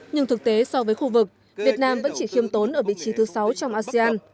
nhưng thực tế so với khu vực việt nam vẫn chỉ khiêm tốn ở vị trí thứ sáu trong asean